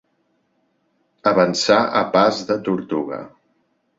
Avançar a pas de tortuga.